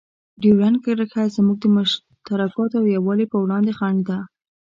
ډیورنډ کرښه زموږ د مشترکاتو او یووالي په وړاندې خنډ ده.